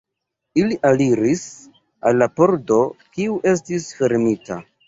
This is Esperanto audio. Ili aliris al la pordo, kiu estis fermita.